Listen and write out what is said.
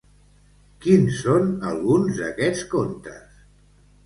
Quins són alguns d'aquests contes?